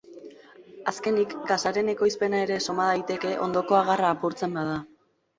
Azkenik, gasaren ekoizpena ere soma daiteke hondoko agarra apurtzen bada.